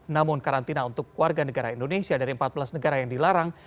namun karantina untuk warga negara indonesia dari empat belas negara yang dilarang